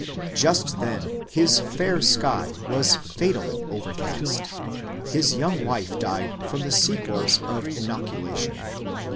Just then his fair sky was fatally overcast ; his young wife died from the sequels of inoculation.